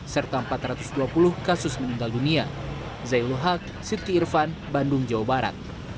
serta empat ratus dua puluh kasus meninggal dunia